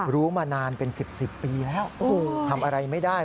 รู้มานานเป็น๑๐ปีแล้วทำอะไรไม่ได้